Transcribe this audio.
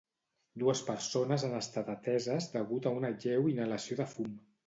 Dues persones han estat ateses degut a una lleu inhalació de fum.